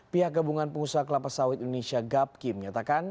pihak gabungan pengusaha kelapa sawit indonesia gapkim nyatakan